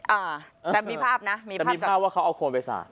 อ่าแต่มีภาพนะมีภาพมีภาพว่าเขาเอาโคนไปสาด